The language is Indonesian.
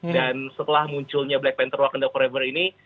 dan setelah munculnya black panther wakanda forever ini